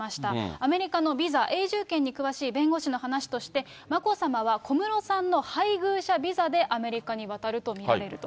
アメリカのビザ、永住権に詳しい弁護士の話として、眞子さまは小室さんの配偶者ビザでアメリカに渡ると見られると。